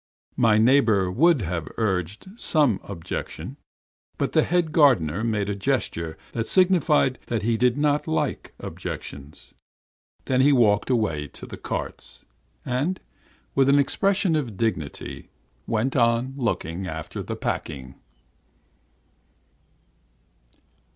My neighbor would have urged some objection, but the head gardener made a gesture that signified that he did not like objections; then he walked away to the carts, and, with an expression of dignity, went on looking after the packing.